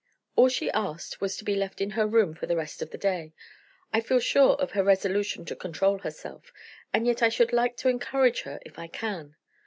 All she asked was to be left in her room for the rest of the day. I feel sure of her resolution to control herself; and yet I should like to encourage her if I can.